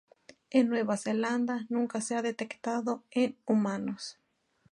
En Nueva Zelanda nunca se ha detectado en humanos.